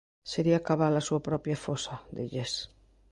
"Sería cavar a súa propia fosa", dilles.